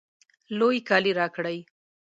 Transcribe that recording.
لوی کالی راکړئ